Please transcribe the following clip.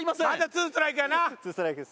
ツーストライクです。